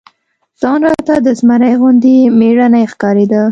ځان راته د زمري غوندي مېړنى ښکارېده.